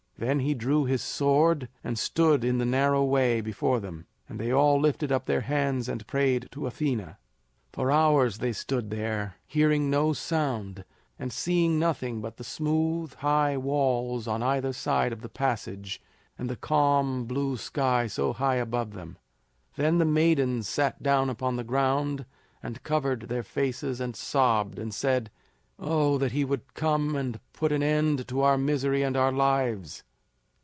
Then he drew his sword and stood in the narrow way before them; and they all lifted up their hands and prayed to Athena. For hours they stood there, hearing no sound, and seeing nothing but the smooth, high walls on either side of the passage and the calm blue sky so high above them. Then the maidens sat down upon the ground and covered their faces and sobbed, and said: "Oh, that he would come and put an end to our misery and our lives."